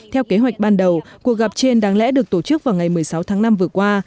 theo kế hoạch ban đầu cuộc gặp trên đáng lẽ được tổ chức vào ngày một mươi sáu tháng năm vừa qua